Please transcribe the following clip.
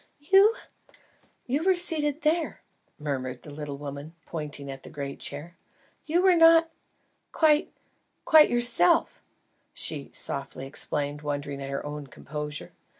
"You? You were seated there," murmured the little woman, pointing at the great chair. "You were not quite quite yourself," she softly explained, wondering at her own composure.